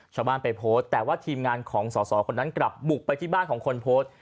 ชาวบ้านไปโพสต์แต่ว่าทีมงานของสอสอคนนั้นกลับบุกไปที่บ้านของคนโพสต์